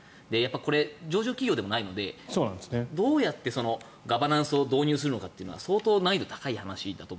これ、上場企業でもないのでどうやってガバナンスを導入するかは相当難易度が高い話だと。